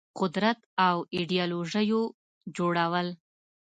قدرت او ایدیالوژيو جوړول